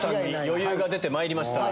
余裕が出てまいりました。